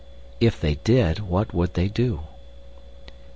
If they did, what would they do?